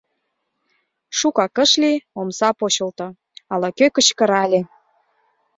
Шукак ыш лий — омса почылто, ала-кӧ кычкырале: